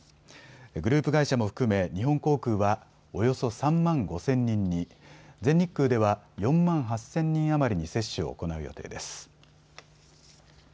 グループ会社も含め日本航空はおよそ３万５０００人に、全日空では４万８０００人余りに接種を行う予定です。